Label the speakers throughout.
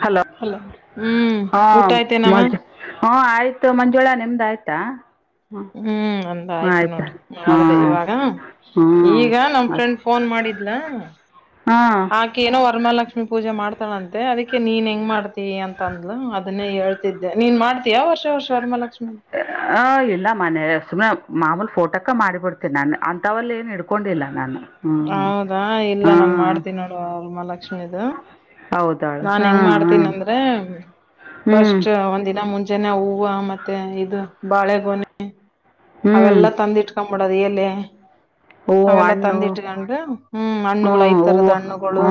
Speaker 1: Hello
Speaker 2: ಹ್ಮ್ ಊಟ
Speaker 1: ಹಾಂ
Speaker 2: ಆಯ್ತೇನಮ್ಮ
Speaker 1: ಮಾಡ ಹಾ ಆಯ್ತು ಮಂಜುಳ ನಿಮ್ದು ಆಯ್ತಾ.
Speaker 2: ಹ್ಮ್ ನಂದು ಆಯ್ತು ನೋಡ ಮಾಡ್ದೇ
Speaker 1: ಹಾಂ
Speaker 2: ಇವಾಗ.
Speaker 1: ಹ್ಞೂ
Speaker 2: ಈಗ ನಮ್ ಫ್ರೆಂಡ್ ಫೋನ್ ಮಾಡಿದ್ಲ.
Speaker 1: ಹಾ.
Speaker 2: ಯ ಕಿ ಏನೋ ವರ್ಮಾಲಕ್ಷ್ಮಿ ಪೂಜೆ ಮಾಡ್ತಳ ಅಂತೆ ಅದಕ್ಕೆ ನೀನ್ ಹೆಂಗ್ ಮಾಡ್ತೀ ಅಂತ ಅಂದ್ಲು ಅದನ್ನೇ ಹೇಳ್ತ ನೀನ್ ಮಾಡ್ತೀಯಾ ಹೊಸ ವರ್ಷ ವರಹಲಕ್ಷ್ಮಿ
Speaker 1: ಆ ಇಲ್ಲ ಮನೆ ಸುಮ್ಮನೆ ಮಾಮೂಲಿ ಫೋಟೋಕ್ಕ ಮಾಡಿಬಿಡ್ತೇನಿ ನಾನು ಅಂತಲ್ಲ ಏನ್ ಕೊಂಡಿಲ್ಲ ನಾನು ಹ್ಞೂ
Speaker 2: ಹೌದಾ
Speaker 1: ಹ್ಞೂ
Speaker 2: ಇಲ್ಲ ನನ್
Speaker 1: ಹಾಂ
Speaker 2: ಮಾಡ್ತೀನಿ ನೋಡ ಅವರು ಮಾಲಕ್ಷ್ಮೀದ
Speaker 1: ಹೌದಾಳ
Speaker 2: ಏನ್
Speaker 1: ಹಾಂ
Speaker 2: ಮಾಡ್ತೀನಿ
Speaker 1: ಹಾಂ
Speaker 2: ಅಂದ್ರೆ
Speaker 1: ಹ್ಞೂ
Speaker 2: ಫಸ್ಟ್ ಒಂದು ಮುಂಚೆ ಹೂವು ಮತ್ತೆ ಇದು ಬಾಳೆ ಗೋನೆ
Speaker 1: ಹ್ಞೂ
Speaker 2: ಎಲ್ಲಿ ಎಲ್ಲ ತಂದು ಕಾಂಬುಡಾಗ ಎಲೆ
Speaker 1: ಹೂವು
Speaker 2: ಅವೆಲ್ಲಾ
Speaker 1: ಹಣ್ಣು
Speaker 2: ತಂದಿಟ್ಕೊಂಡೆ ಹ್ಮ್
Speaker 1: ಹ್ಞೂ
Speaker 2: ಹಣ್ಣುಗಳು ಐತರದ
Speaker 1: ಹೂವು
Speaker 2: ಹಣ್ಣುಗಳು
Speaker 1: ಹ್ಞೂ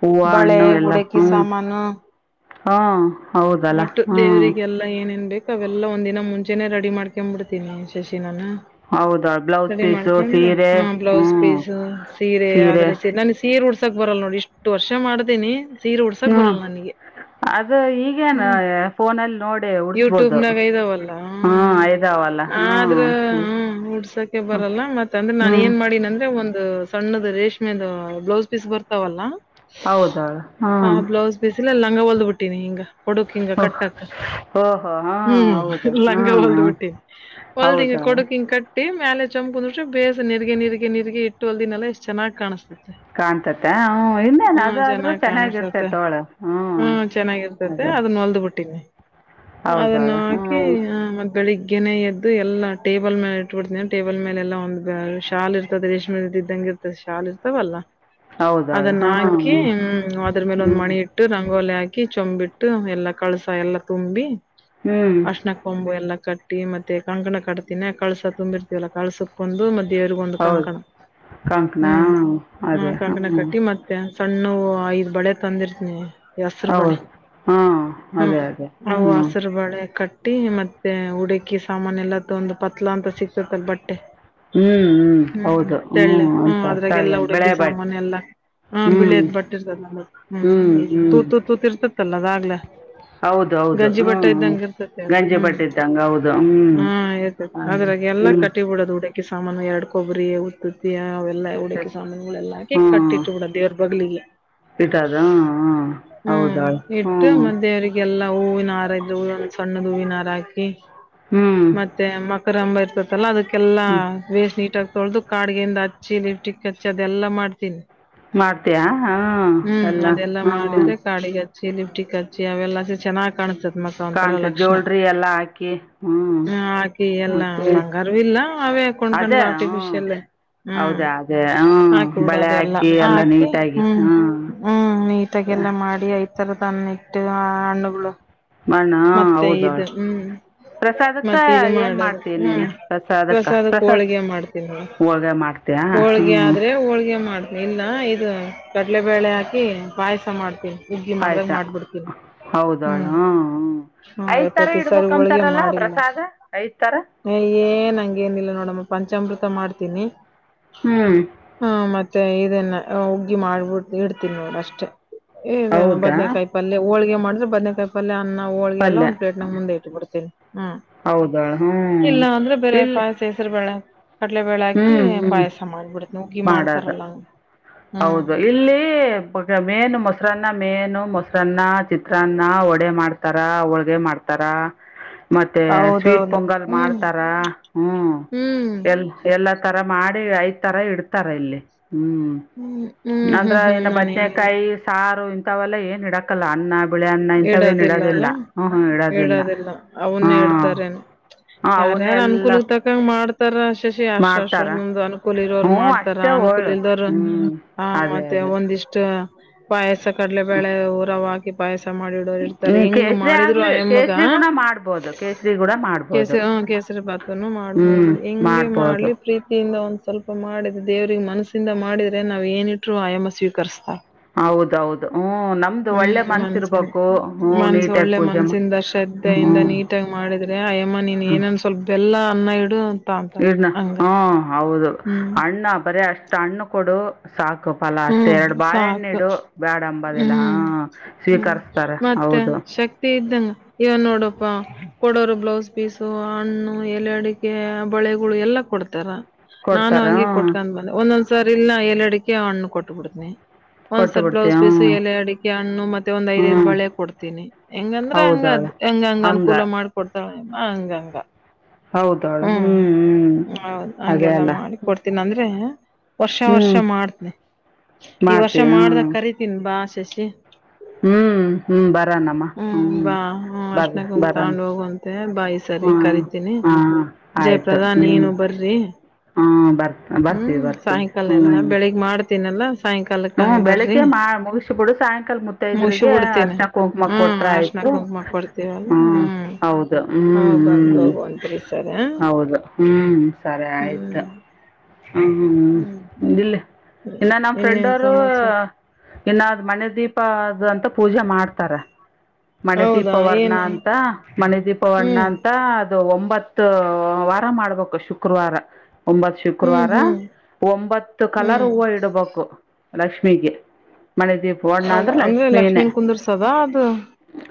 Speaker 1: ಹೂವು ಹಣ್ಣು ಎಲ್ಲ
Speaker 2: ಬಳೆಹೊಡಕ್ಕೆ
Speaker 1: ಹ್ಞೂ
Speaker 2: ಸಮಾನು
Speaker 1: ಹಾಂ ಹೌದಲ್ಲ
Speaker 2: ಒಟ್ಟು
Speaker 1: ಹ್ಞೂ
Speaker 2: ದೇವರಿಗೆಲ್ಲ ಏನೇನ್ ಬೇಕು ಎಲ್ಲ ಒಂದಿನ ಮುಂಚೆ ರೆಡಿ ಮಾಡಿಕೊಂಡು ಬಿಡುತ್ತೇನೆ ನಾನು
Speaker 1: ಹೌದಾ ಬ್ಲೌಸ್
Speaker 2: ರೆಡಿ
Speaker 1: ಪೀಸು
Speaker 2: ಮಾಡ್ತನನ್
Speaker 1: ಸೀರೆ
Speaker 2: ಹಾ
Speaker 1: ಹ್ಞೂ
Speaker 2: ಬ್ಲೌಸ್ ಪೀಸ್ ಸೀರೆ ಆದದ್ರ ಸೀರೆ ನ ಸಕ್ಬರಲ್ ಸಾಕೆ ಬರಲ್ಲ ನೋಡು ಎಷ್ಟು ವರ್ಷ ಮಾಡ್ತೀನಿ, ಸೀರೆ ಉಡ್ಸಕ್
Speaker 1: ಹ್ಞೂ
Speaker 2: ಬರಲ್ಲ ನನಗೆ
Speaker 1: ಅದು ಹೀಗೇನು
Speaker 2: ಹ್ಮ್
Speaker 1: ಫೋನಲ್ಲಿ ನೋಡಿಸಬಹುದು
Speaker 2: ಯೂಟ್ಯೂಬ್ನಾಗ ಇದಾವಲ್ಲ
Speaker 1: ಜಾವಲ್ಲ
Speaker 2: ಆದ್ರ ಹ ಉಡ್ಸಕೆ ಬರಲ್ಲ ಮತ್ತ ಅಂದ್ರೆ
Speaker 1: ಹ್ಞೂ
Speaker 2: ನಾನ ಏನ್ ಮಾಡೀಂದ ಒಂದು ಸಣ್ಣದ ರೇಷ್ಮೆದ ಬ್ಲೌಸ್ ಪೀಸ್ ಬರ್ತಾವಲ್ಲ
Speaker 1: ಹೌದಾ ಹ್ಞೂ
Speaker 2: ಬ್ಲೌಸ್ ಪೀಸಲ್ಲಿ ಲಂಗ ಹೊಡೆದು ಬಿಟ್ಟಿನಿ
Speaker 1: ಓಹ್ ಓಹೋ ಹಾಂ
Speaker 2: ಹ್ಮ್
Speaker 1: ಹೌದು
Speaker 2: ಲಂಗ
Speaker 1: ಹಾಂ
Speaker 2: ಒಲ್ದ
Speaker 1: ಹಾಂ
Speaker 2: ಬಿಟ್ಟೀ ಒಲದಿಂಗ
Speaker 1: ಹೌದಾ
Speaker 2: ಕೊಡುಕ್ಕ ಕಟ್ಟಿ ಮೇಲೆ ಚಂಪು ಅಂದ್ ಬೇಸ ನೀರ್ರಿಗೆ ನೀರಿಗೆ ನೀರಿಗೆ ಇಟ್ಟು ಅಲ್ದಿನಲ್ಲ ಎಷ್ಟ್ ಚೆನ್ನ್ ಕಾಣಿಸತತೆ
Speaker 1: ಕಾಣ್ತತ್ತ ಹ್ಮ ಇನ್ನೇನ್ ಅದಾದ್ರೂ ಚೆನ್ನಾಗಿರ್ತೆೇ
Speaker 2: ಕಾಣಿಸ್ತತೆ
Speaker 1: ತೋಳ ಹ್ಮ್
Speaker 2: ಅದನ್ನ ಹೊಲ್ದ್ ಬಿಟ್ಟಿನಿ ಅದನ್ನು
Speaker 1: ಹೌದಾಳು ಹ್ಞೂ
Speaker 2: ಹಾಕಿ ಆ ಮ ಬೆಳಿಗ್ಗೆ ಬೆಳಿಗ್ಗೆ ಎದ್ದು ಎಲ್ಲ ಟೇಬಲ್ ಮೇಲೆ ಇಟ್ಬಿಡ್ತೀನಿ ಟೇಬಲ್ ಮೇಲೆ ಎಲ್ಲ ಒಂದು ಶಲ್ ಇರ್ತದೆ ರ್ಮ ಇದ ಇದ್ದಂ ಶಾಲ ಇರ್ತವಲ್ಲ
Speaker 1: ಹೌದಾಳು
Speaker 2: ಅದನ್ನ
Speaker 1: ಹ್ಞೂ
Speaker 2: ಹಾಕಿ
Speaker 1: ಹ್ಞೂ
Speaker 2: ಅದ್ರ ಮೇಲೆ ಒಂದ್ ಮಣಿ ಇ ಇಟ್ಟು ರಂಗೋಲಿ ಹಾಕಿ ಚೊಂಬಿಟ್ಟು ಎಲ್ಲ ಕಳ್ಸ ಎಲ್ಲಾ ತುಂಬಿ
Speaker 1: ಹ್ಞೂ
Speaker 2: ಅಶ್ಣ ಕೊಂಬು ಎಲ್ಲ ಕಟ್ಟ ಮತ್ತೆ ಕಂಕಣ ಕಾತಿನನ ಕಳ್ಸ ತುಂಬಿರ್ತೀವಲ್ಲ ಕಳ್ಸಕೊಂಡು ಮತ್ತೆ ದೇವರು ಬಂದು ಕನಕನ
Speaker 1: ಹೌದು ಕಂಕಣ ಅದೇ ಹ್ಞೂ
Speaker 2: ಕಟ್ಟಿ ಮತ್ತೆ ಮತ್ತೆ ಸಣ್ಣ ಐದು ಬಳೆ ತಂದಿರ್ತನಿ ಹಸರು ಬಳೆ
Speaker 1: ಹೌದು ಹಾಂ
Speaker 2: ಹ್ಮ
Speaker 1: ಅದೇ ಅದೇ
Speaker 2: ಅವು
Speaker 1: ಹ್ಞೂ
Speaker 2: ಹಸರು ಬಳೆ ಕಟ್ಟ ಬಟ್ಟಿ ಮತ್ತೆ ಉಡಕಿ ಸಾಮಾನ ಎಲ್ಲ ಒಂದು ಪತ್ಲಾ ಅಂತ ಸಿಕ್ತತಲ್ಲ ಬಟ್ಟೆ
Speaker 1: ಹ್ಞೂ ಹ್ಞೂ
Speaker 2: ಹ್ಮ್
Speaker 1: ಹೌದು ಹ್ಞೂ
Speaker 2: ತಳ್ಳಿ ಹ್ಮ
Speaker 1: ಅಂತ
Speaker 2: ಅದ್ರಾಗೆಲ್ಲ
Speaker 1: ತಳ್ಳನ್ ಬಿಳೆ
Speaker 2: ಹುಡುಕಿ
Speaker 1: ಬಟ್ಟೆ
Speaker 2: ಸಾಮಾನ ಎಲ್ಲಾ ಹಾ
Speaker 1: ಹ್ಞೂ
Speaker 2: ಬಿಳಿಯದ್ ಬಟ್ಟಿರ್ತದ ನ ಹ್ಮ್
Speaker 1: ಹ್ಞೂ ಹ್ಞೂ
Speaker 2: ತೂತು ತೂತಿ ಇರ್ತತ್ತಲ್ಲ ಅದಾಗ್ಲ
Speaker 1: ಹೌದು ಹೌದು
Speaker 2: ಗಾಜಿಹೊತ್ತು ಇದ್ದಂಗೆ ಇರುತ್ತದೆ
Speaker 1: ಹಂಗೌದ
Speaker 2: ಹಾ ಆಯ್ತ ಅದ್ರಾಗ ಎಲ್ಲಾ ಕಟ್ಟಿಬ ಬಿಡೋದು ಉಡಕಿ ಸಾಮಾನು ಎರಡ್ ಕೊಬ್ಬರಿ ಉುತ್ತುತ್ತಿ ಅವ ಎಲ್ಲ ಉಡುಕಿ
Speaker 1: ಗೊತ್ತಾಯ್ತು
Speaker 2: ಸಾಮಾನುಗಳೆಲ್ಲ ಹಾಗೆ ಕಟ್ಟಿಟ್ಟು ಬಿಡ ದೇವ್ರ ಬಗಲಿಗೆ
Speaker 1: ಇಟದ ಹ ಹೌದಾಳ ಹ್ಮ್
Speaker 2: ಎಲ್ಲ ಹೂವಿನಾರಿದ್ರೆ ಒಂದು ಸಣ್ಣ ತುಳಿನರ ಹಾಕಿ
Speaker 1: ಹ್ಮ್
Speaker 2: ಮತ್ತೆ ಮಕರ ಅಂಬ ಇರ್ತದಲ್ಲ ಅದಕ್ಕೆಲ್ಲಾ
Speaker 1: ಹ್ಞೂ
Speaker 2: ವೇಸ್ಟ್ ನೀಟಾಗಿ ತೊಳೆದು ಕಾಡಗೆಿಂದ ಹಚ್ಚಿ ಲಿಪ್ಟಿಕ್ ಹಚ್ಚಿ ಅದೆಲ್ಲ ಮಾಡ್ತೀನಿ
Speaker 1: ಮಾಡ್ತೀಯಾ ಹಾಂ
Speaker 2: ಹ್ಮ್
Speaker 1: ಎಲ್ಲ
Speaker 2: ಅದೆಲ್ಲ
Speaker 1: ಹ್ಞೂ
Speaker 2: ಮಾಡಿದ್ರೆ ಕಾಡಿಗೆ ಚಲಿಫ್ಟಿ ಕಚ್ಚಿ ಅವೆಲ್ಲ ಸ ಚೆನ್ನಾಗ್ ಕಾಣ್ತತ್ ಮಕ್ಕ ಒಂಥರ ಲಕ್ಷಣ
Speaker 1: ಎಲ್ಲಾಕ
Speaker 2: ಹ್ಮ ಹಾಕಿ ಎಲ್ಲಾ ಬಂಗಾರವ ಇಲ್ಲ ಅವೇ
Speaker 1: ಅದೇ
Speaker 2: ಕೊಂಡ್ಕೊಂಡ
Speaker 1: ಹ್ಞೂ
Speaker 2: ಆರ್ಟಿಫಿಷಿಯಲ್ ಹ್ಮ್
Speaker 1: ಹೌದಾ ಅದೇ ಹ್ಞೂ ಬಳೆ
Speaker 2: ಹಾಕಬಡದೆಲ್ಲ
Speaker 1: ಹಾಕಿ ಎಲ್ಲ
Speaker 2: ಹಾಕಿ
Speaker 1: ನೀಟಾಗಿ
Speaker 2: ಹ್ಮ್
Speaker 1: ಹ್ಞೂ
Speaker 2: ಹ್ಮ್ ತಗೆಲ್ಲ ಮಾಡಿ ಐ ತರದನ್ನ ಇಟ್ಟು ಹಣ್ಣುಗಳು
Speaker 1: ಮಣ್ಣು
Speaker 2: ಮತ್ತೆ ಇದು
Speaker 1: ಹೌದಳು
Speaker 2: ಹ್ಮ್
Speaker 1: ಪ್ರಸಾದಕ್ಕೆ
Speaker 2: ಮತ್ತ ಇದು
Speaker 1: ಏನು
Speaker 2: ಮಾಡದು
Speaker 1: ಮಾಡ್ತೀಯ
Speaker 2: ಹ್ಮ್
Speaker 1: ನೀನು ಪ್ರಸಾದಕ್ಕೆ
Speaker 2: ಪ್ರಸದಕ್
Speaker 1: ಪ್ರಸಾದ
Speaker 2: ಹೋಳ್ಿಗೆ ಮಾಡ್ತೀನಿ
Speaker 1: ಹೋಳ್ಗೆ ಮಾಡ್ತೀಯಾ
Speaker 2: ಹೋಳ್ಗೆ
Speaker 1: ಹ್ಞೂ
Speaker 2: ಆದ್ರೆ ಹೋಳ್ಗೆ ಮಾಡ ನಿನ್ನ ಇದು ಕಡಲೆಬೇಳೆ ಹಾಕಿ ಪಾಯಸ ಮಾಡ್ತೀವಿ ಹುಗ್ಗಿ
Speaker 1: ಪಾಯಸ
Speaker 2: ಮಾಡ್ದಾಗ ಮಾಡ್ಬಿಡ್ತೀವಿ
Speaker 1: ಹೌದವಳು
Speaker 2: ಹ್ಮ್
Speaker 1: ಹ್ಞೂ ಹ್ಞೂ
Speaker 2: ಹ್ಮ
Speaker 1: ಐದು ಥರ
Speaker 2: ಪ್ರತಿ ಸಾರಿ ಹೋಳ್ಗೆ
Speaker 1: ಇಡ್ಬೇಕಂತಾರಲ್ಲ
Speaker 2: ಮಾಡಿಲ್ಲ
Speaker 1: ಪ್ರಸಾದ ಐದು ಥರ
Speaker 2: ಹ ಏನ್ ಹಂಗೇನಿಲ್ಲ ನೋಡಮ್ಮ ಪಂಚಾಮೃತ ಮಾಡ್ತೀನಿ
Speaker 1: ಹ್ಮ್
Speaker 2: ಹಾ ಮತ್ತೆ ಇದನ್ನ ಉಗ್ಗಿ ಮಾಡ್ಬಿಡ್ ಇಡ್ತೀನಿ ನೋ ಅಷ್ಟೇ ದ
Speaker 1: ಹೌದಾ
Speaker 2: ಬದ್ನೇಕಾಯಿ ಪಲ್ಯ ಹೋಳ್ಗೆ ಮಾಡಿದ್ರೆ ಬದ್ನೆೇಕಾಯಿ ಪಲ್ಯ [unintelligible] ಹೋಳ್ಲ್ಲ
Speaker 1: ಪಲ್ಯ
Speaker 2: ಒ ಪ್ಲೇಟ್ ನ ಮುಂದೆ ಇಟ್ಟ ಬಿಡತ್ವಿ ಹ್ಮ
Speaker 1: ಹೌದವಳು ಹ್ಞೂ
Speaker 2: ಇಲ್ಲ ಅಂದ್ರೆ ಬೇರೆ
Speaker 1: ಇಲ್ಲಿ
Speaker 2: ಪಾಯಸ [unintelligible] ಸೇಸರು ಬೇಳೆ ಕಡ್ಲೆಬೇಳೆ
Speaker 1: ಹ್ಞೂ
Speaker 2: ಹಾಕಿ
Speaker 1: ಹ್ಞೂ
Speaker 2: ಪಾಯಸ ಮಾಡ್ಬಿಡತನ ಹುಗ್ಗಿ
Speaker 1: ಮಾಡೋದು
Speaker 2: ಮಾಡ್ತಾರಲ್ಲ [unintelligible]
Speaker 1: ಹೌದು ಇಲ್ಲಿ [unintelligible] ಮೇನು ಮೊಸರನ್ನ ಮೇನು ಮೊಸರನ್ನ ಚಿತ್ರಾನ್ನ ಒಡೆ ಮಾಡ್ತಾರ ಹೋಳ್ಗೆ ಮಾಡ್ತಾರ [unintelligible] ಮತ್ತೆ ಸ್ವೀಟ್
Speaker 2: ಹೌದೌದು
Speaker 1: ಪೊಂಗಲ್
Speaker 2: ಹ್ಮ್
Speaker 1: ಮಾಡ್ತಾರ ಹ್ಮ
Speaker 2: ಹ್ಮ್
Speaker 1: ಎಲ್ [unintelligible] ಎಲ್ಲಾ ತರ ಮಾಡಿ ಐದ್ ತರ ಇಡ್ತಾರ ಇಲ್ಲಿ ಹ್ಮ್ [unintelligible]
Speaker 2: ಹ್ಮ್ ಹ್ಮ್
Speaker 1: ಅಂದ್ರ
Speaker 2: ಹ್ಮ್ ಹ್ಮ್
Speaker 1: ಇನ್ನು
Speaker 2: ನಾನೇನಿಲ್ಲ
Speaker 1: ಬದ್ನೆೇಕಾಯಿ ಸಾರು ಇಂಥವೆಲ್ಲ ಏನ್ ಇಡಕಲ್ಲ ಅನ್ನ [unintelligible] ಹುಳಿನ್ನ ಇಂಥೇಏನ್ ಇಡೋದಿಲ್ಲ ಹ್ಮ ಹ್ಮ ಇಡೋದಿಲ್ಲ ಹಾ
Speaker 2: ಅವನ್ನ
Speaker 1: [unintelligible]
Speaker 2: ಇಡ್ತಾರೇನು
Speaker 1: ಹ ಅವನ ಎಲ್ಲ [unintelligible]
Speaker 2: ಹಾಕಂಗ ಮಾಡ್ತಾರ ಶಶಿ ಅಶಶ ನಮ್ದ್ ಅನುಕೂಲ್ ಇರೋರು
Speaker 1: ಹ್ಞೂ
Speaker 2: ಮಾಡ್ತಾರ
Speaker 1: ಅಷ್ಟೇ
Speaker 2: ಅನುಕೂಲ್
Speaker 1: ಹೋಳು
Speaker 2: ಇಲ್ದವ್ರರು
Speaker 1: ಹ್ಞೂ
Speaker 2: [unintelligible] ಹ
Speaker 1: ಅದೇ
Speaker 2: ಮತ್ತೆ
Speaker 1: ಅದೇ
Speaker 2: ಒಂದಿಷ್ಟ ಪಾಯಸ ಕಡಲೆಬೇಳೆ ಉಊರವ್ ಹಾಕಿ ಪಾಯಸ ಮಾಡಿ [unintelligible] ಇರ್ತಾರೆ
Speaker 1: ಹ್ಮ್
Speaker 2: ಹೆಂಗ
Speaker 1: ಕೇಸರಿ
Speaker 2: ಮಾಡಿದ್ರು
Speaker 1: ಆಗ್ಲಿ
Speaker 2: ಅಯಮ್ಮಗ
Speaker 1: ಕೇಸರಿ ಗುಣ ಮಾಡ್ಬೋದು ಕೇಸರಿ ಗುಣ
Speaker 2: ಕಸ
Speaker 1: ಮಾಡ್ಬೋದು
Speaker 2: ಕಸ [unintelligible] ಕಸ್ರಪಾತನು ಮಾಡ್ಬಹುದು
Speaker 1: ಹ್ಮ್
Speaker 2: ಹೆಂಗೆ
Speaker 1: ಮಾಡ್ಬೋದು
Speaker 2: ಮಾಡ್ಲಿ [unintelligible] ಪ್ರೀತಿಯಿಂದ ಒಂದ್ ಸ್ವಲ್ಪ ಮಾಡಿದ್ರೆ ದೇವ್ರಿಗೆ ಮನಸ್ಸಿಂದ ಮಾಡಿದ್ರೆ ನಾವ್ ಏನಿಟ್್ರರು ಆಯಾಮ ಸ್ವೀಕರಿಸ್ತಾ [unintelligible]
Speaker 1: ಹೌದೌದು ಹ್ಮ್ ನಮ್ದು ಒಳ್ಳೆ ಮನ್ಸಿ ಇರ್ಬು
Speaker 2: ಮನ್ಸಿನ್
Speaker 1: [unintelligible]
Speaker 2: ಮನ್ಸ ಒಳ್ಳೆ ಮನ್ಸಿಂದ
Speaker 1: ಹ್ಞೂ
Speaker 2: ಶ್ರದ್ಧೆಯಿಂದ ನೀಟಾಗಿ ಮಾಡಿದ್ರೆ ಅಯ್ಯಮ್ಮ ನೀನ್ ಏನ [unintelligible] ಒ ಸ್ವಲ್ಪ ಬೆಲ್ಲ ಅನ್ನ ಇಡು ಅಂತ
Speaker 1: ಇನ
Speaker 2: ಹಂಗ
Speaker 1: ಹಾ ಹೌದು
Speaker 2: ಹ್ಮ್
Speaker 1: ಅಣ್ಣ ಬರ ಅಷ್ಟ ಅಣ್ಣ ಕೊಡು [unintelligible] ಸಾಕು ಫಲ ಅಷ್ಟೆ ಎರಡು
Speaker 2: ಹ್ಮ್ ಸಾಕು
Speaker 1: ಬಾಳೆಹಣ್ಣೆಡು ಬ್ಯಾಡ ಅಂಬದಿಲ್ಲ ಹಾ
Speaker 2: ಹ್ಮ್ ಹ್ಮ್
Speaker 1: ಸ್ವೀಕರ್ [unintelligible] ರ
Speaker 2: ಮತ್ತೆ
Speaker 1: ಹೌದು [unintelligible]
Speaker 2: ಶಕ್ತಿ ಇದ್ದಂಗ ವ ನೋಡಪ್ಪಾ ಕೊಡೋರು ಬ್ಲೌಸ್ [unintelligible] ಪೀಸು ಹಣ್ಣು ಎಲೆ ಅಡಿಕೆ ಬಳೆಗಳು ಎಲ್ಲಾ ಕೊಡ್ತಾರ [unintelligible] ನಾನು
Speaker 1: ಕೊಡ್ತಾರೆ
Speaker 2: ಹಂಗೆ
Speaker 1: ಹ್ಞೂ
Speaker 2: ಕೊಟ್ಕೊಂಡ್ ಬಂದೆ ಒಂದೊಂದ್ಸ ಸಾರಿ ಇಲ್ ನ ಏಳ್ ಅಡಿಕ ಹಣ್ಣು ಕೊಟ್ಬಿಡ್ತನಿ [unintelligible]
Speaker 1: ಕೊಟ್ಟು
Speaker 2: ಒಂದ್ಸವಲ್ಪ ಬ್ಲೌಸ್
Speaker 1: ಬಿಡ್ತೀವಿ
Speaker 2: ಪೀಸು
Speaker 1: ಹ್ಞೂ
Speaker 2: ಎಲೆ ಅಡಿಕೆಣ್ಣ ಮತ್ತೆಂದ್ ಐದ ಐದು
Speaker 1: ಹ್ಞೂ
Speaker 2: ಬಳೆ ಕೊಡ್ತೀನಿ [unintelligible] ಹೆಂಗಂದ್ರ
Speaker 1: ಹೌದು
Speaker 2: ಹಂಗದ್ ಹೆಂಗಂಗ ಅನುಕೂಲ
Speaker 1: ಹಂಗೆ
Speaker 2: ಮಾಡಕೊಡ್ತಾಳ ಹಂಗಂಗ [unintelligible]
Speaker 1: ಹೌದ ಅವಳು ಹ್ಮ್ ಹ್ಮ್ ಅದೇ ಅಲ್ಲ [unintelligible]
Speaker 2: ಕೊಡ್ತೀನಿ ಅಂದ್ರೆ ವರ್ಷ ವರ್ಷ
Speaker 1: ಹ್ಮ್
Speaker 2: ಮಾಡ್ತನಿ [unintelligible] ಈ ವರ್ಷ
Speaker 1: ಮಾಡ್ತಿ ಹ್ಮ್
Speaker 2: ಮಾಡ್ದಗ ಕರೀತೀನಿ ಬಾ ಶಶಿ [unintelligible]
Speaker 1: ಹ್ಮ್ ಹ್ಮ್ ಬರಾನಮ್ಮ
Speaker 2: ಹ್ಮ್ ಬಾ ಹ
Speaker 1: ಬರ್ರ
Speaker 2: ಅಶನಮ
Speaker 1: ಬರಾನ
Speaker 2: ತಗೊಂಡು ಹೋಗಂತ [unintelligible] ಮತ್ತೆ ಬಾಯಿ ಸರಿ
Speaker 1: ಹ್ಮ್
Speaker 2: ಕರಿತೀನಿ
Speaker 1: ಹಾ ಆಯ್ತು
Speaker 2: ಜಯಪ್ರಧಾ
Speaker 1: ಹ್ಮ್
Speaker 2: ನೀನು ಬರ್ರಿ
Speaker 1: ಹ್ಮ್ ಬರ್ ಬರ್ತೀವಿ
Speaker 2: ಹ್ಮ್
Speaker 1: ಬರ್ತೀವಿ
Speaker 2: ಸಾಯಂಕಾಲ ಎಲ್ಲ
Speaker 1: ಹ್ಮ್
Speaker 2: ಬೆಳಿಗ್ ಮಾಡ್ತೀನಲ್ಲ ಸಾಯಂಕಾಲಕ್ ಹಂಗ
Speaker 1: ಹ್ಮ್
Speaker 2: ಬರ್ರಿ
Speaker 1: ಬೆಳಿಗ್ಗೆ ಮಾ ಮುಗಿಸಬಿಡು ಸಾಯಂಕಾಲ
Speaker 2: ಮುಗಸಿ
Speaker 1: ಮುತ್ತೈದ್ರಿಗೆ
Speaker 2: ಬಿಡ್ತೀನಿ
Speaker 1: ಹರ್ಶ್ನ ಕುಂಕುಮ
Speaker 2: ಹ್ಮ್
Speaker 1: ಕೊಟ್ರೆ
Speaker 2: ಅರ್ಶಣ
Speaker 1: ಆಯ್ತು.
Speaker 2: ಕುಂಕುಮ ಕೊಡ್ತೀವಲ್ಲ
Speaker 1: ಹ್ಮ
Speaker 2: ಹ್ಮ್
Speaker 1: ಹೌದು ಹ್ಮ್
Speaker 2: ಅವಾಗ
Speaker 1: ಹ್ಮ್
Speaker 2: ಬಂದ್ ಹೋಗುವಂತ್ರಿ ಈ ಸರಿ
Speaker 1: ಹೌದು. ಹ್ಮ್ ಸರಿ ಆಯ್ತು
Speaker 2: ಹ್ಮ್
Speaker 1: ಹ್ಮ್ ನಿಲ್ಲು. ಇನ್ನು ನಮ್ಮ್ ಫ್ರೆಂಡ್
Speaker 2: ಇನ್ನೇನ್
Speaker 1: ಅವರು
Speaker 2: ಸಮಾಚಾರ
Speaker 1: ಇನ್ನಾರ್ ಮನೆ ದೀಪದ ದಂತ ಪೂಜೆ ಮಾಡ್ತಾರೆ. ಮಣೆ ದೀಪ
Speaker 2: ಹೌದಾ
Speaker 1: ವರ್ಣ
Speaker 2: ಏನು
Speaker 1: ಅಂತ ಮಣೆ ದೀಪವರ್ಣ
Speaker 2: ಹ್ಮ್
Speaker 1: ಅಂತ ಅ ದು ಒಂಬತ್ತು ವಾರ ಮಾಡ್ಬೇಕು ಶುಕ್ರವಾರ ಒಂಬತ್ತು
Speaker 2: ಹ್ಮ್
Speaker 1: ಶುಕ್ರವಾರ
Speaker 2: ಹ್ಮ್
Speaker 1: ಒಂಬತ್ತು ಕಲರ್
Speaker 2: ಹ್ಮ್
Speaker 1: ಹೂವ ಇಡ್ಬೇಕು. ಲಕ್ಷ್ಮಿಗೆ ಮನೆ ದೀಪ ಓಡ್ಣ ಅಂದ್ರ ಲಕ್ಷ್ಮೀನೇ.
Speaker 2: ತದ ಅದು?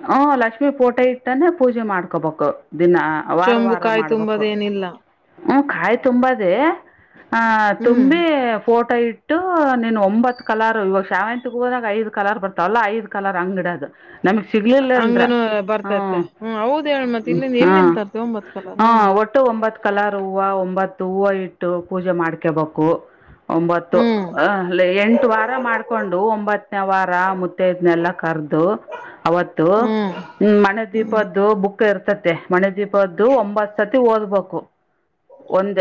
Speaker 1: ಹಂ ಲಕ್ಷ್ಮಿ ಪೋಟೆ ಇಟ್ಟೇನೆ ಪೂಜೆ ಮಾಡ್ಕೋಬೇಕು ದಿನಾ.
Speaker 2: ಚೊಂಬು
Speaker 1: ವಾರ್ವಾರ
Speaker 2: ಕಾಯಿ
Speaker 1: ಮಾಡ್ಬೇಕು.
Speaker 2: ತುಂಬದ ಏನಿಲ್ಲ
Speaker 1: ಹ್ಮ ಕಾಯಿ ತುಂಬದೇ ಆ
Speaker 2: ಹ್ಮ್
Speaker 1: ತುಂಬಿ ಫೋಟೋ ಇಟ್ ಟು ನೀನ್ ಒಂಬತ್ ಕಲರ್ ಇವಾಗ ಶಾವಂತಿಗ್ ಹೂದಾಗ ಐದ್ ಕಲರ್ ಬರ್ತಾವಲ್ಲ ಐದ್ ಕಲರ್ ಅಂಗಿಡೆದು ನಮಸ್ ಸಿಗ್ಲಿಲ್ಲ ಅಂದ್ರ
Speaker 2: ಹಂಗನು
Speaker 1: ಹಾ
Speaker 2: ಬರ್ತೈತೆ ಹ್ಮ್ ಹೌದ್ ಹೇಳ ಮತ್ ಇಲ್ಲಿಂದ
Speaker 1: ಹಾ
Speaker 2: ಎಲ್ಲಿಂದ ತರ್ತಿವ ಒಂಬತ್ ಕಲರ್
Speaker 1: ಹಾ
Speaker 2: ಹ್ಮ್
Speaker 1: ಒಟ್ಟ್ ಟ್ಟು ಒಂಬತ್ ಕಲರ್ ಹೂವ ಒಂಬತ್ತು ಹೂವ ಇಟ್ಟು ಪೂಜೆ ಮಾಡ್ಕೋಬೇಕು ಒಂಬತ್ತು
Speaker 2: ಹ್ಮ್
Speaker 1: ಅ ಅಲ್ಲಿ ಎಂಟು ವಾರ ಮಾಡ್ಕೊಂಡು ಒಂಬತ್ತನೇ ವಾರ ಮುತ್ತೈದ್ನೆಲ್ಲ ಕರ್ದು ಅವತ್ತು
Speaker 2: ಹ್ಮ್
Speaker 1: ಮಣೆ ದೀಪದ್ದು ಬುಕ್ ಇರ್ತತೆ ಮನೆ ದೀಪದ್ದು ಒಂಬತ್ ಸರ್ತಿ ಓದ್ಬೇಕು.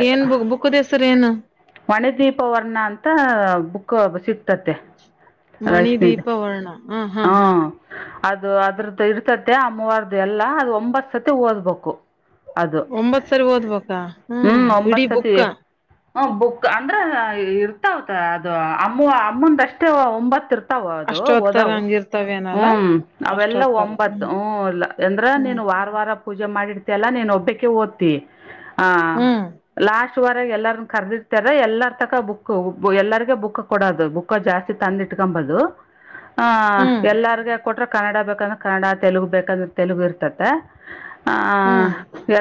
Speaker 2: ಏನ್ ಬು ಬುಕುದೆಸರ್ ಏನು?
Speaker 1: ಮನೆ ದೀಪ ವರ್ಣ ಅಂತ ಬುಕ್ಕು ಸಿಕ್ತತೆ.
Speaker 2: ಮಣಿದೀಪ ವರ್ಣ ಹಾ ಹಾ ಹಾ.
Speaker 1: ಹಾಂ ಅದು ಅದ್ರದ್ದು ಇರ್ತತಿ ಆ ಮೂವಾರ್ದು ಎಲ್ಲಾ ಅದು ಒಂಬತ್ ಸತಿ ಓದ್ಬೇಕು. ಅದು
Speaker 2: ಒಂಬತ್ ಸರಿ ಓದ್ಬೇಕಾ
Speaker 1: ಹ್ಮ್
Speaker 2: ಇಡೀ
Speaker 1: ಒಂಬತ್ ಸತಿ.
Speaker 2: ಬುಕ್ಕ
Speaker 1: ಹ ಬುಕ್ ಅಂದ್ರ ಇರ್ತಾವತ ಅದು ಅಮ್ಮು ಅಮ್ಮಂದ್ ಅಷ್ಟೇ ಒಂಬತ್ ಇರ್ತ ರ್ತಾವ ಅದು
Speaker 2: ಅಷ್ಟೊತ್ತರ
Speaker 1: ಓದವು
Speaker 2: ಹಂಗಿರ್ತವೇನಲ್ಲ
Speaker 1: ಹ್ಮ್ ಅವೆಲ್ಲಾ ಒಂಬತ್ತು ಹ್ಮ್ ಇಲ್ಲ ಎಂದ್ರ ನೀನು ವಾರ ವಾರ ಪೂಜೆ ಮಾಡಿರ್ತ ಅಲ್ಲ ನೀನ್ ಒಬ್ಬಾಕ್ಕೆ ಓದ್ತಿ ಆ
Speaker 2: ಹ್ಮ್
Speaker 1: ಲಾಸ್ಟ್ ವರೆಗೆ ಎಲ್ಲಾರನ್ನ ಕರೆದಿರ್ತಾರೆ ಎಲ್ಲಾರ್ತಕ ಬುಕ್ ಎಲ್ಲರ್ಗ ಬುಕ್ ಕೊಡೋದು ಬುಕ್ ಕ್ ಜಾಸ್ತಿ ತಂದಿಟ್ಕೊಂಬದು ಆ
Speaker 2: ಹ್ಮ್ ಹ್ಮ್
Speaker 1: ಎಲ್ಲರ್ಗೆ ಕೊಟ್ರೆ ಕನ್ನಡ ಬೇಕಂದ್ರೆ ಕನ್ನಡ ತೆಲುಗು ಬೇಕಂದ್ರೆ ತೆಲುಗು ಇರ್ತತೆ. ಆ
Speaker 2: ಹ್ಮ್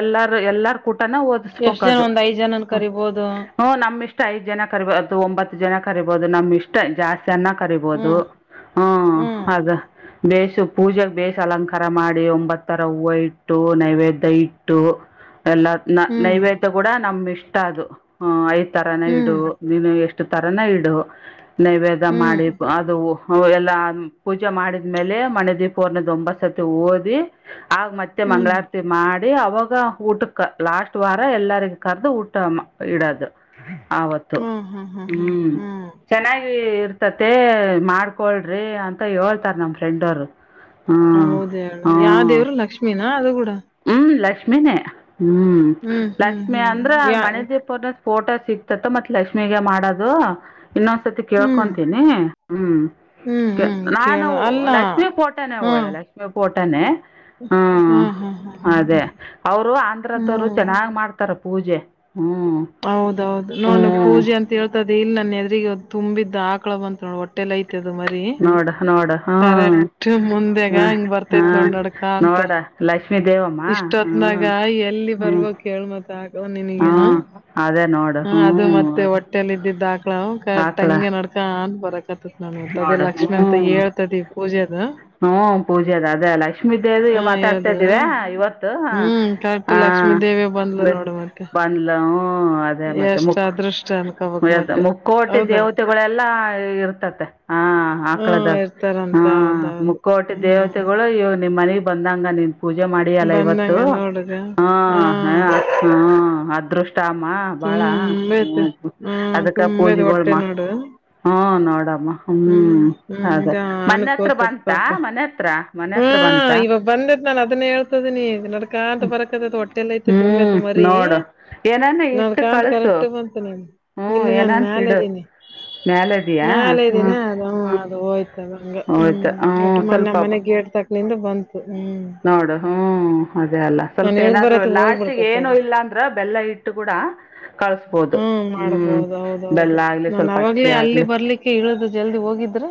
Speaker 1: ಎಲ್ಲಾರ ಎಲ್ಲಾರ ಕೂಟನ ಓದಿಸ್ಬೇಕ್
Speaker 2: ಎಷ್ಟ್ ಜನ
Speaker 1: ಅದು.
Speaker 2: ಒಂದ್ ಐದ್ ಜನನ್ ಕರಿಬೋದು.
Speaker 1: ಹ್ಮ ನಮ್ಮಿಷ್ಟ ಐದ್ ಜನ ಕರಿಬೋದು ಒಂಬತ್ತು ಜನ ಕರಿಬೋದು ನಮ್ ಇಷ್ಟ ಜಾಸ್ತಿ ಅನ್ನ ಕರಿಬೋದು
Speaker 2: ಹ್ಮ್
Speaker 1: ಹಾ
Speaker 2: ಹ್ಮ್
Speaker 1: ಅದ, ಬೇಷ ಪೂಜೆೆಗೆ ಬೇಷ್ ಅಲಂಕಾರ ಮಾಡಿ ಒಂಬತ್ತರ ಹೂವು ಇಟ್ ಟ್ಟು ನೈವೇದ್ಯ ಇಟ್ಟು ಎಲ್ಲ
Speaker 2: ಹ್ಮ್
Speaker 1: ನೈವೇದ್ಯ ಕೂಡ ನಮ್ಮಿಷ್ಟ ಅದು. ಹ್ಮ ಐದ್ ತರಾನೆ ಇಡು
Speaker 2: ಹ್ಮ್ ಹ್ಮ್
Speaker 1: ನೀನು ಎಷ್ಟು ತ ನ ಇಡು ನೈವೇದ್ಯ
Speaker 2: ಹ್ಮ್
Speaker 1: ಮಾಡಿ ಅದು ಎಲ್ಲ ಆದ್ ಪೂಜೆ ಮಾಡಿದ್ಮೇಲೆ ಮನೆ ದೀಪರ್ನ್ನ ದೊಂಬಸತಿ ಓದಿ ಆಗ ಮತ್ತೆ
Speaker 2: ಹ್ಮ್
Speaker 1: ಮಂಗಳಾರ ಮಾಡಿ ಅವಾಗ ಊಟಕ್ಕೆ ಲಾಸ್ಟ್ ವಾರ ಎಲ್ಲರಿಗ ಕರೆದು ಊಟ ಇಡೋದು. ಆವತ್ತು ಹ್ಮ್ ಚೆನ್ನಾಗಿ ಇರ್ತತಿ ಮಾಡ್ಕೊಳ್ರಿ ಅಂತ ತ ಯೋಳ್ತಾರೆ ನಮ್ಮ ಫ್ರೆಂಡೊರು.
Speaker 2: ಹೌದೇಳು ಯಾವ ದೇವ್ರು ಲಕ್ಷ್ಮೀನ ಅದು ಕೂಡ
Speaker 1: ಹ್ಮ್ ಲಕ್ಷ್ಮಿನೇ ಹ್ಮ್
Speaker 2: ಹ್ಮ್ ಹ್ಮ್
Speaker 1: ಲಕ್ಷ್ಮಿ
Speaker 2: ಹ್ಮ್
Speaker 1: ಅಂದ್ರ
Speaker 2: ಯಾ
Speaker 1: ಮನೆದೇಪರ್ ಫೋಟೋ ಸಿಗ್ತತ್ತು ಮತ್ ಲಕ್ಷ್ಮಿಗೆ ಮಾಡೋದು ಇನ್ನೊಂದ್ಸತಿ
Speaker 2: ಹ್ಮ್
Speaker 1: ಕೇಳ್ಕೊಂತೀನಿ ಹ್ಮ್
Speaker 2: ಹ್ಮ್ ಹ್ಮ್ ಕೇಳ
Speaker 1: ನಾನು
Speaker 2: ಅಲ್ಲ
Speaker 1: ಲಕ್ಷ್ಮೀ ಪೋಟಾನೇ
Speaker 2: ಹಾ
Speaker 1: ಹೋಳ ಲಕ್ಷ್ಮೀ ಪೋಟಾನೆ
Speaker 2: ಹಾ
Speaker 1: ಹ್ಮ್
Speaker 2: ಹಾ ಹಾ ಹಾ ಹಾ
Speaker 1: ಅದೇ ಅವ್ರು ಆಂಧ್ರದ್ದವರು
Speaker 2: ಹ್ಮ್
Speaker 1: ಚೆನ್ನಾಗ್ ಮಾಡ್ತಾರೆ ಕರ ಪೂಜೆ ಹ್ಮ್
Speaker 2: ಹೌದೌದು ನೋಡ್ ಪೂಜೆ ಅಂತ ಳ್ತದೆ ಇಲ್ಲಿ ನನ್ನ ಎದರಿಗ ತುಂಬಿದ್ದ್ ಆಕಳ ಬಂತ ನೋಡಿ ಹೊಟ್ಟೆಲ್ಲ ಐತೆ ಅದು ಮರಿ
Speaker 1: ನೋಡ ನೋಡ
Speaker 2: ಕರೆಕ್ಟ್ ಮುಂದೆಾಗ ಹಂಗ್ ಬರ್ತೈತ್
Speaker 1: ಹಾಂ
Speaker 2: ನೋಡ್ ನಡ್ಕ ಅಂತ [unintelligible]
Speaker 1: ನೋಡು ಲಕ್ಷ್ಮೀ ದೇವ್ [unintelligible]
Speaker 2: ಇಷ್ಟ ಹೊತ್ನಾಗ ಎಲ್ಲಿ ಬರ್ಬೋ ಕೇೇಳ್ಮತ್ ಆಗವ
Speaker 1: ಹ್ಞೂ
Speaker 2: ನಿನಗ
Speaker 1: ಅದೇ ನೋಡು
Speaker 2: [unintelligible] ಹ ಅದು
Speaker 1: ಹ್ಞೂ
Speaker 2: ಮತ್ತೆ
Speaker 1: ಅದು
Speaker 2: ಹೊಟ್ಟೇೆಯಲ್ಲಿ ಇದ್ದಿದ್ದಾಕ್ಲ
Speaker 1: ಆಕಳ
Speaker 2: ಕಟ್ಟಂಗೆ ನಡ್ಕ ಅನ್ ಬರಕತತಿ [unintelligible] ನಾನ ಅದೇ
Speaker 1: ನೋಡು
Speaker 2: ಲಕ್ಷ್ಮಿ ಅಂತ ಹೇಳ್ತದೆ ಪೂಜೆದು [unintelligible]
Speaker 1: ಹ್ಮ ಪೂಜೆ ಅದ ಅದೇ ಲಕ್ಷ್ಮೀ ದೇವ
Speaker 2: ಹ
Speaker 1: ಮಾತಾಡ್ತಾ
Speaker 2: ಹೇಳ್ದ್ರು
Speaker 1: ಇದಿವವಿ ಇವತ್ತು [unintelligible]
Speaker 2: ಹ್ಮ್ ಕರೆಕ್ಟ್
Speaker 1: ಹ
Speaker 2: ಲಕ್ಷ್ಮೀ ದೇವಿ ಬಂದ್ಲು ನೋಡು ಮತ್ತೆ
Speaker 1: ಬಂದ್ಲವು ಅದೇ ಮತ್ತೆ ಮುಕ [unintelligible]
Speaker 2: ಚಾನಕ [unintelligible]
Speaker 1: ದ ಮುಕ್ಕೋಟಿ ದೇವತೆಗಳೆಲ್ಲಾ ಇರ್ತತೆ [unintelligible] ಹಾ
Speaker 2: ಹ್ಮ್
Speaker 1: ಆಕ್ಳದಾಗ ಹಾ
Speaker 2: ಇರ್ತಾರಂತೆ ಹೌದೌದು
Speaker 1: ಮುಕ್ಕೋಟಿ
Speaker 2: ಹ್ಮ್
Speaker 1: ದೇವತೆಗಳು [unintelligible] ಅಯ್ಯೋ ನಿಮ್ ಮನಗ್ ಬಂದಂಗ ನೀನ್ ಪೂಜೆ ಮಾಡಿಲ್ಲ ಇವತ್ತು
Speaker 2: ಬಂದಂಗ ನೋಡುಗ
Speaker 1: ಹಾ ಹ
Speaker 2: ಹ್ಮ್
Speaker 1: [unintelligible] ಹಾ ಅದೃಷ್ಟ [unintelligible] ಮ ಬಾಳ
Speaker 2: ತುಂಬೈತೆ ಹ್ಮ್
Speaker 1: ಅದಕ್ಕ
Speaker 2: ತುಂಬೈತೆ
Speaker 1: ಪೂಜೆಗಳು
Speaker 2: ಹೊಟ್ಟೆ
Speaker 1: ಮಾ
Speaker 2: ನೋಡು
Speaker 1: [unintelligible] ಹಾ ನೋಡಮ್ಮ [unintelligible]
Speaker 2: ಹ್ಮ್ ಹ್ಮ್
Speaker 1: ಅದೇ
Speaker 2: ಇದಾ
Speaker 1: ಮನೆ ಹತ್ರ
Speaker 2: ಅನ್ಕೋತದ
Speaker 1: ಬಂತಾ
Speaker 2: ಪಾಪ
Speaker 1: ಮನೆ ಹತ್ರ ಮನೆ
Speaker 2: ಹ್ಮ
Speaker 1: ಹತ್ರ ಬಂತಾ
Speaker 2: ಇವಾಗ ಬಂದದ ನಾನ ಅದನ್ನ ಹೇಳ್ [unintelligible] ತದನಿ ನಡಕಾ ಅಂತ ಬರದದದು ಹೊಟ್ಟೆಲ್ಲ ಐತೆ
Speaker 1: ಹ್ಞೂ
Speaker 2: ತುಂಬೆತ ಮರಿ
Speaker 1: ನೋಡು
Speaker 2: [unintelligible]
Speaker 1: ಏನಾನ
Speaker 2: ನನ್
Speaker 1: ಇಟ್ಟು
Speaker 2: ಕಾಂತ
Speaker 1: ಕಳಿಸು
Speaker 2: ಕರೆಕ್ಟ್ ಬಂತು ನ
Speaker 1: ಹ್ಞೂ
Speaker 2: ಇಲ್ಲಿ ನಾನ
Speaker 1: ಏನಾನ
Speaker 2: ಮ್ಯಾಲ
Speaker 1: ಇಡು
Speaker 2: ಇದ್ದೀನಿ
Speaker 1: ಮ್ಯಾಲೆ
Speaker 2: [unintelligible]
Speaker 1: ಇದೆಯಾ
Speaker 2: ಮೇಾಲ ಇದ
Speaker 1: ಹ್ಞೂ
Speaker 2: ದಿನ ಅದ
Speaker 1: ಹ್ಞೂ
Speaker 2: ಅದು ಹೋಯ್ತದಂಗ ಹ್ಮ್
Speaker 1: ಹೋಯ್ತು ಹ್ಞೂ
Speaker 2: ಒಟ್ಟು ಮೊನ್ನ
Speaker 1: ಸ್ವಲ್ಪ ಬ
Speaker 2: ಮನೆ ಗೇಡ್ ತಕ್ [unintelligible] ಲ್ಲಿಂದ ಬಂತು ಹ್ಮ್
Speaker 1: ನೋಡು ಹ್ಮ್ ಅದೇ ಅಲ್ಲ ಸ್ವಲ್ಪ
Speaker 2: ನಾನ್ ಹೇಳ್
Speaker 1: ಏನಾದ್ರು
Speaker 2: ಬರತ್
Speaker 1: ಲಾಸ್ಟ್ಗ
Speaker 2: ಹೋಗ್ಬಿಡ್ತತ್
Speaker 1: ಏನು
Speaker 2: ಅದು
Speaker 1: ಇಲ್ಲಾಂದ್ರ ಬೆಲ್ಲ ಇಟ್ಟ ಟ್ಟು ಕೂಡ ಕಳಸ್ಬೋದು ಹ್ಮ್ ಬೆಲ್ಲ ಆಗ್ಲಿ ಸ್ವಲ್ಪ ಅಕ್ಕಿ ಆಗ್ಲಿ
Speaker 2: ಇಳೋದು ಜಲ್ದಿ ಹೋಗಿದ್ರೆ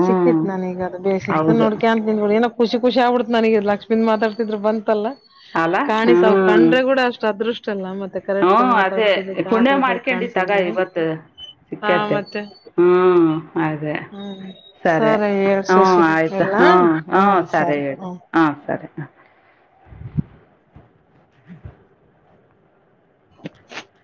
Speaker 1: ಹ್ಞೂ
Speaker 2: ಸಿಕ್ಕತಿತ್ ನಾನ ಈಗ ಬೇ ಸಿಕ್ತ
Speaker 1: ಹೌದು
Speaker 2: ನೋಡ್ಕ ಅಂತ ನ್ಗಳು ಏ ಖುಷ ಖುಷಿಬಿ ನನಗೆ ಲಕ್ಷ್ಮಿಂದ ಮಾತಾತಿದ್ ಬಂತಲ್ಲ
Speaker 1: ಅಲ್ಲ ಹ್ಞೂ
Speaker 2: ಕಾಣಿಸ ಕಂಡ್ರೆ ಕೂಡ ಅಷ್ಟು ಅದೃಷ್ಟ ಅಲ್ಲ ಮತ್ತೆ
Speaker 1: ಹ್ಞೂ
Speaker 2: ಕರೆಕ್ಟ್ ಮಾತ್ರ
Speaker 1: ಅದೇ
Speaker 2: ತಡ್ಲಿಕ್ಕೆ
Speaker 1: ಪುಣ್ಯ
Speaker 2: ಆಕ್ಳ ಬ
Speaker 1: ಮಾಡ್ಕೊಂಡಿ ತಗೋ
Speaker 2: ಕಾಣಸಿದ್ರೆ
Speaker 1: ಇವತ್ತು
Speaker 2: ಹಾ
Speaker 1: ಸಿಕ್ಕತ್ತೆ
Speaker 2: ಮತ್ತೆ
Speaker 1: ಹ್ಞೂ ಅದೇ
Speaker 2: ಹ್ಮ್ ಸರಿ ಎಏಳ್
Speaker 1: ಹ್ಞೂ
Speaker 2: ಸೇಷಿ
Speaker 1: ಆಯಿತು
Speaker 2: ಎಲ್ಲ
Speaker 1: ಹ್ಞೂ ಹ್ಞೂ
Speaker 2: ಹ್ಮ್ ಸರಿ
Speaker 1: ಹೇಳು
Speaker 2: ಹ್ಮ
Speaker 1: ಹಾಂ ಸರಿ ಹಾಂ ಹ